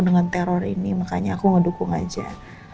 dengan teror ini makanya aku ngedukung aja